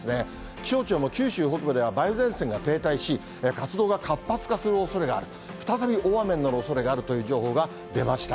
気象庁も、九州北部では梅雨前線が停滞し、活動が活発化するおそれがある、再び大雨になるというおそれがあるという情報が出ました。